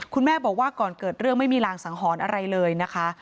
คุณแม่บอกว่าก่อนเกิดเรื่องไม่มีรางสังหรณ์อะไรเลยนะคะ